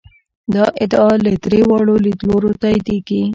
دا ادعا له درې واړو لیدلورو تاییدېږي.